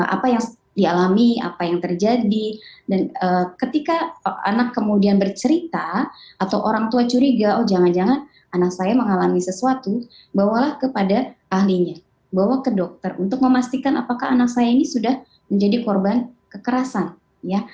apa yang dialami apa yang terjadi dan ketika anak kemudian bercerita atau orang tua curiga oh jangan jangan anak saya mengalami sesuatu bawalah kepada ahlinya bawa ke dokter untuk memastikan apakah anak saya ini sudah menjadi korban kekerasan ya